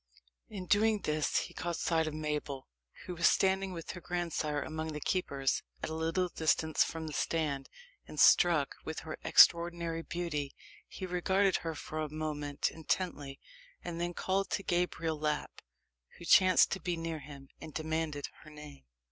In doing this, he caught sight of Mabel, who was standing with her grandsire among the keepers, at a little distance from the stand, and, struck with her extraordinary beauty, he regarded her for a moment intently, and then called to Gabriel Lapp, who chanced to be near him, and demanded her name.